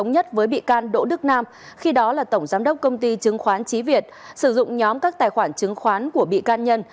với bị can đỗ đức nam khi đó là tổng giám đốc công ty chứng khoán trí việt sử dụng nhóm các tài khoản chứng khoán của bị can nhân